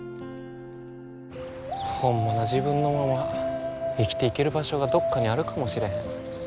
ホンマの自分のまま生きていける場所がどっかにあるかもしれへん。